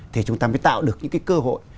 thì chúng ta mới tạo được những cái cơ hội